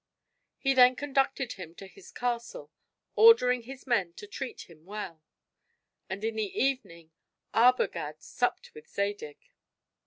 He then conducted him to his castle, ordering his men to treat him well; and in the evening Arbogad supped with Zadig.